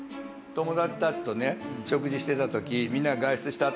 友達たちとね食事してた時みんなが外出した